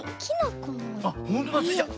あっほんとだスイちゃん。